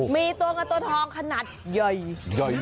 มีตัวเงินตัวทองขนาดใหญ่